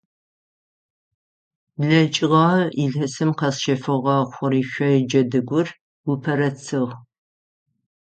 БлэкӀыгъэ илъэсым къэсщэфыгъэ хъурышъо джэдыгур упэрэцыгъ.